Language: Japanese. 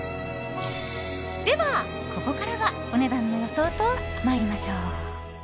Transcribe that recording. では、ここからはお値段の予想と参りましょう。